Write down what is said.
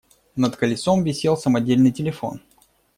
Над колесом висел самодельный телефон.